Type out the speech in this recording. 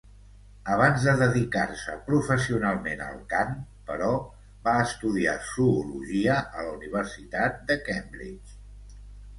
Abans de dedicar-se professionalment al cant, però, va estudiar zoologia a la Universitat de Cambridge.